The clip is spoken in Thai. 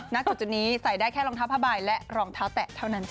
ณจุดนี้ใส่ได้แค่รองเท้าผ้าใบและรองเท้าแตะเท่านั้นจ้